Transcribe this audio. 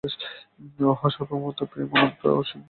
উহা সার্বভৌম প্রেম, অনন্ত ও অসীম প্রেম, উহাই প্রেমস্বরূপ।